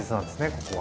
ここは。